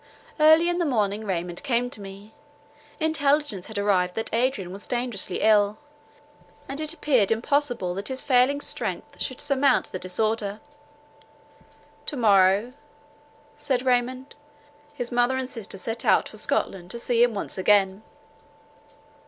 Early in the morning Raymond came to me; intelligence had arrived that Adrian was dangerously ill, and it appeared impossible that his failing strength should surmount the disorder. "To morrow," said Raymond, "his mother and sister set out for Scotland to see him once again."